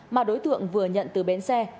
mà đối tượng vừa nhận từ bến xe